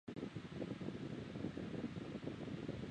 弗龙蒂尼昂德科曼热。